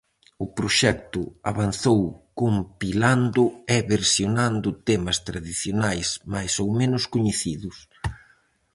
O proxecto avanzou compilando e versionando temas tradicionais máis ou menos coñecidos.